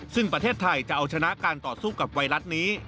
ซึ่งประเทศไทยจะเอาชนะการต่อสู้กับไวรัสนี้